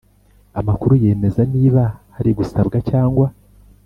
amakuru yemeza niba hari gusabwa cyangwa